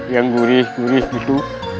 yang gurih gurih begitu